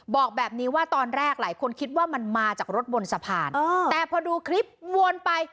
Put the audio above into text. บอกแบบนี้ว่าตอนแรกหลายคนคิดว่ามันมาจากรถบนสะพานแต่พอดูคลิปวนไป